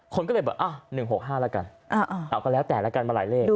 คนก็เลยบอก๑๖๕แล้วกันเอาก็แล้วแต่ละกันมาหลายเลข